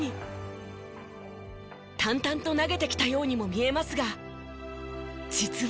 淡々と投げてきたようにも見えますが実は。